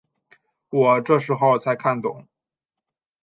我这时候才看懂